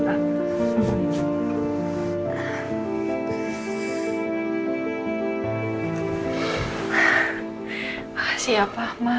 makasih ya pak ma